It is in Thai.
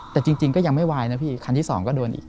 แต่จริงก็ยังไม่วายนะพี่คันที่สองก็โดนอีก